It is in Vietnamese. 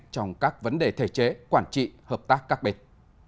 trong các vấn đề thể chế quản trị hợp tác các bên